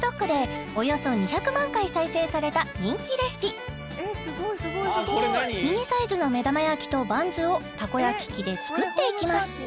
ＴｉｋＴｏｋでおよそ２００万回再生された人気レシピミニサイズの目玉焼きとバンズをたこ焼き器で作っていきます